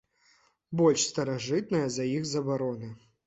Больш старажытная за іх забароны.